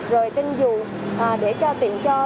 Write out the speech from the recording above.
rồi trên dù để cho tiện cho